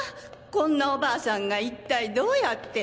こんなお婆さんが一体どうやって。